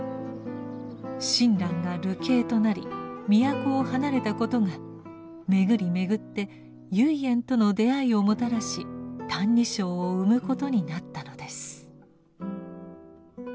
親鸞が流刑となり都を離れたことが巡り巡って唯円との出会いをもたらし「歎異抄」を生むことになったのです。